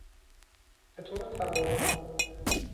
بطور تقارن